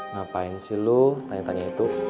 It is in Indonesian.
ngapain sih lo tanya tanya itu